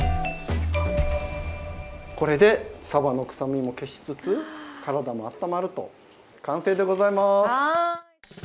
これでさばの臭みも消しつつ、体も温まる完成でございます！